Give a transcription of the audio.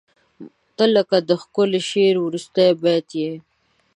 • ته لکه د ښکلي شعر وروستی بیت یې.